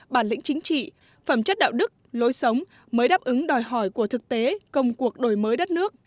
bản lĩnh chính trị phẩm chất đạo đức lối sống mới đáp ứng đòi hỏi của thực tế công cuộc đổi mới đất nước